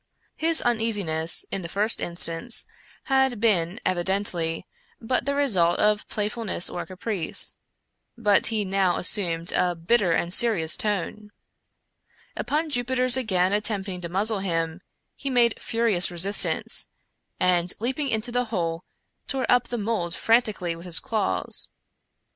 His un easiness, in the first instance, had been, evidently, but the result of playfulness or caprice, but he now assumed a bit ter and serious tone. Upon Jupiter's again attempting to muzzle him, he made furious resistance, and, leaping into the hole, tore up the mold frantically with his claws.